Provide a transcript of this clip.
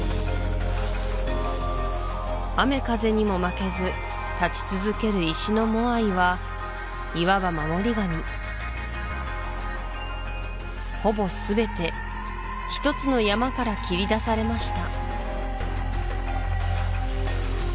雨風にも負けず立ち続ける石のモアイはいわば守り神ほぼすべて一つの山から切り出されました